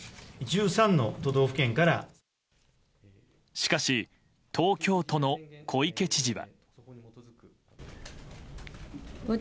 しかし、東京都の小池知事は。